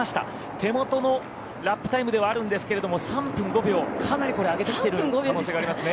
手元のラップタイムではあるんですけども３分５秒、かなりこれ、上げている可能性がありますね。